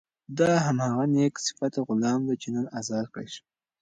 دا هماغه نېک صفته غلام دی چې نن ازاد کړای شو.